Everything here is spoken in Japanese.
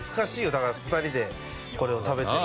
だから２人でこれを食べてる。